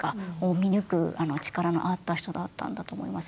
見抜く力のあった人だったんだと思います。